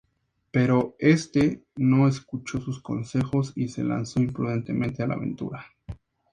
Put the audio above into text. Pero este no escuchó sus consejos y se lanzó imprudentemente a la aventura.